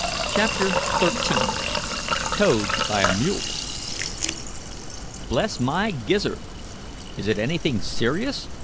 CHAPTER XIII TOWED BY A MULE "Bless my gizzard! Is it anything serious?"